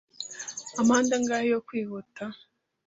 Amande angahe yo kwihuta?